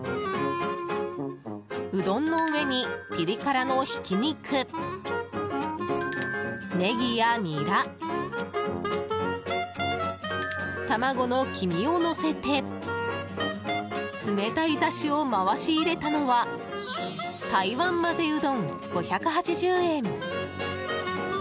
うどんの上に、ピリ辛のひき肉ネギやニラ、卵の黄身をのせて冷たいだしを回し入れたのは台湾まぜうどん、５８０円。